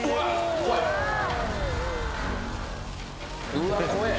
うわっ、怖い。